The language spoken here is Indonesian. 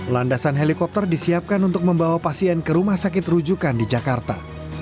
landasan helikopter disiapkan untuk membawa pasien ke rumah sakit rujukan di jakarta